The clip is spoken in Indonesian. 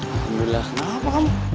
alhamdulillah kenapa kamu